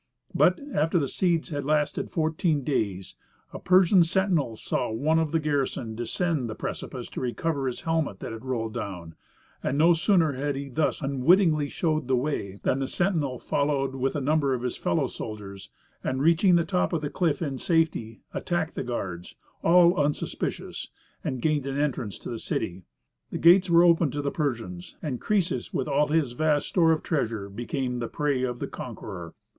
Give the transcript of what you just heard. But, after the siege had lasted fourteen days, a Persian sentinel saw one of the garrison descend the precipice to recover his helmet that had rolled down; and no sooner had he thus unwittingly showed the way, than the sentinel followed with a number of his fellow soldiers and, reaching the top of the cliff in safety, attacked the guards, all unsuspicious, and gained an entrance to the city. The gates were opened to the Persians, and Croesus with all his vast store of treasure became the prey of the conqueror.